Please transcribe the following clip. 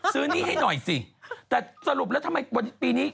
ซื้อนี่ให้หน่อยสิแต่สรุปแล้วทำไมปีนี้